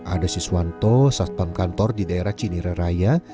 ada siswanto satpam kantor di daerah ciniraya